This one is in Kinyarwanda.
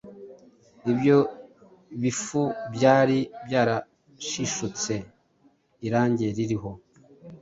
ibyo bifu byari byarashishutse irange ririho